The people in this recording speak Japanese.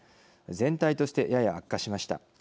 全体として、やや悪化しました。